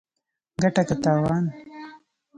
ګټه که تاوان